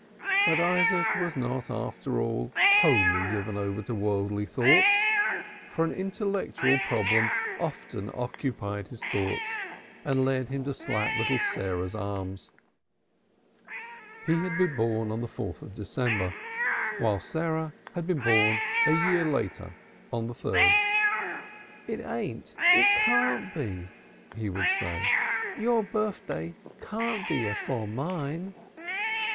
But Isaac was not after all wholly given over to worldly thoughts, for an intellectual problem often occupied his thoughts and led him to slap little Sarah's arms. He had been born on the 4th of December while Sarah had been born a year later on the 3d. "It ain't, it can't be," he would say. "Your birfday can't be afore mine."